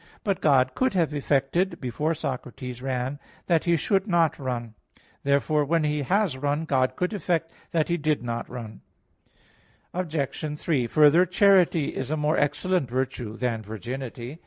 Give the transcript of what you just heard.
But God could have effected, before Socrates ran, that he should not run. Therefore, when he has run, God could effect that he did not run. Obj. 3: Further, charity is a more excellent virtue than virginity.